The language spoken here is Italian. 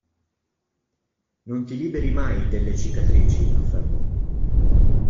Non ti liberi mai delle cicatrici" affermò.